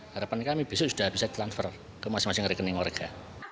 harapan kami besok sudah bisa transfer ke masing masing rekening warga